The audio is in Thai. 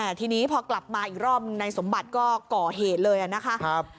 แต่ทีนี้พอกลับมาอีกรอบหนึ่งนายสมบัติก็ก่อเหตุเลยนะคะ